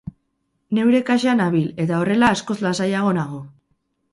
Neure kasa nabil eta horrela askoz lasaiago nago.